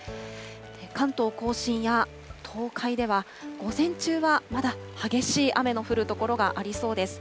関東甲信や東海では、午前中はまだ激しい雨の降る所がありそうです。